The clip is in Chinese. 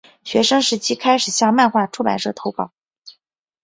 学生时期开始向漫画出版社投稿。